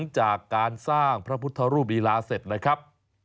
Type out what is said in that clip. จากการสร้างพระพุทธรูปลีลาเสร็จนะครับ